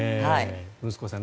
息子さん